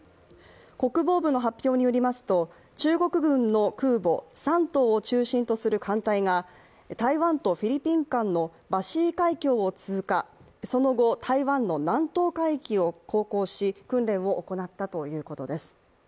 国防部の発表によりますと中国軍の空母山東を中心とする艦隊が台湾とフィリピン間のバシー海峡を通過、その後、台湾の南東海域を航行し訓練を行ったということです。